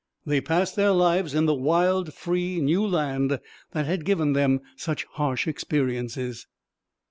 They passed their lives in the wild, free, new land that had given them such harsh experiences.